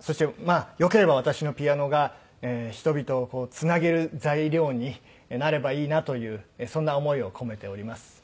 そしてよければ私のピアノが人々をつなげる材料になればいいなというそんな思いを込めております。